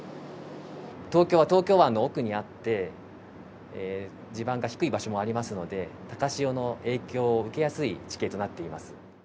東京は東京湾の奥にあって、地盤が低い場所もありますので、高潮の影響を受けやすい地形となっています。